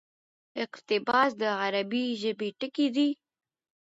اقتباس: د عربي ژبي ټکى دئ.